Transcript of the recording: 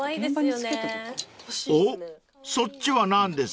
［おっそっちは何です？］